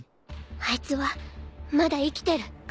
あいつはまだ生きてる。